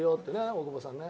大久保さんね。